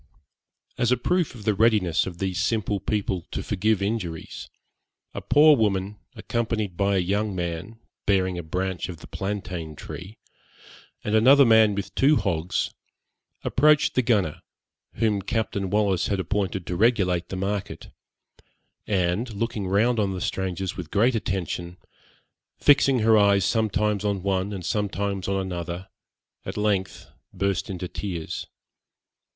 As a proof of the readiness of these simple people to forgive injuries, a poor woman, accompanied by a young man bearing a branch of the plantain tree, and another man with two hogs, approached the gunner, whom Captain Wallis had appointed to regulate the market, and looking round on the strangers with great attention, fixing her eyes sometimes on one and sometimes on another, at length burst into tears.